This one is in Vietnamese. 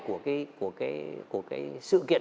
của cái sự kiện